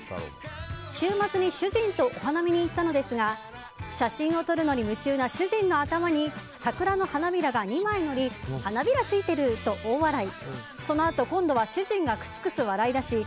週末に主人とお花見に行ったのですが写真を撮るのに夢中な主人の頭に桜の花びらが２枚乗り花びらついてると大笑い。